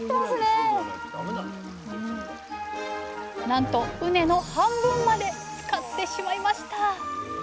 なんと畝の半分までつかってしまいました。